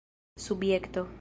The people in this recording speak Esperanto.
subjekto